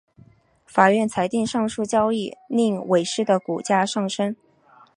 法院裁定上述交易令伟仕的股价上升。